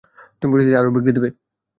তুমি পরিস্থিতি আরও বিগড়ে দিবে।